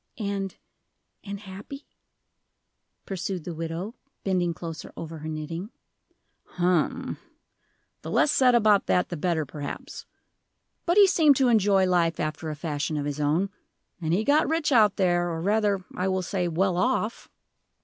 "And and happy?" pursued the widow, bending closer over her knitting. "Hum the less said about that the better, perhaps. But he seemed to enjoy life after a fashion of his own. And he got rich out there, or rather, I will say, well off."